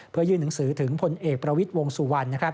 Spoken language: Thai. เพื่อยื่นหนังสือถึงพลเอกประวิทย์วงสุวรรณนะครับ